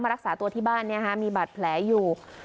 รักษาตัวที่บ้านมีบาดแผลอยู่